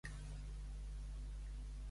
Aire de Baciver, aigua al darrer.